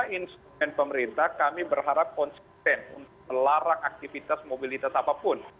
jadi kita juga berharap untuk melarang aktivitas mobilitas apapun